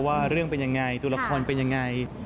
ว่าเรื่องเป็นยังไงตัวละครเป็นยังไง